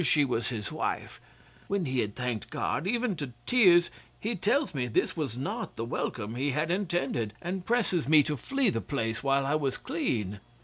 She was his wife. 'When he had thanked God, even to tears, he tells me this was not the welcome he had intended, and presses me to flee the place while I was clean.